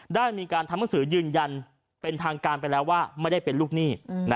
ได้มีการทำหนังสือยืนยันเป็นทางการไปแล้วว่าไม่ได้เป็นลูกหนี้